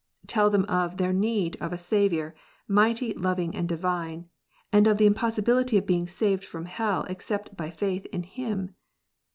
Tell them of their need of a Saviour, mighty, loving, and Divine, and of the impossibility of being saved from hell, except by faith in Him.